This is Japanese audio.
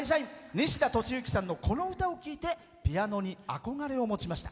西田敏行さんのこの歌を聴いてピアノに憧れを持ちました。